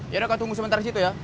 ya udah kau tunggu sebentar disitu ya